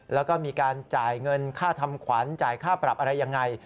แล้วก็มีการจ่ายเงินค่าทำขวัญจ่ายค่าปรับอะไรยังไง